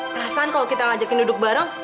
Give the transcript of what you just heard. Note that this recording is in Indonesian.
perasaan kalau kita ngajakin duduk bareng